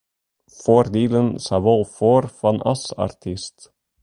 Foardielen, sawol foar fan as artyst.